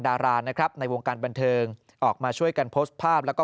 ดารานะครับในวงการบันเทิงออกมาช่วยกันโพสต์ภาพแล้วก็